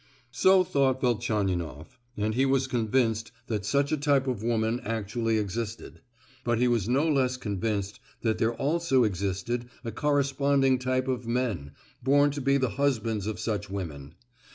So thought Velchaninoff; and he was convinced that such a type of woman actually existed; but he was no less convinced that there also existed a corresponding type of men, born to be the husbands of such women.